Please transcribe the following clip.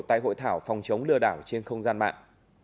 tại hội thảo phòng chống lừa đảo trên không gian mạng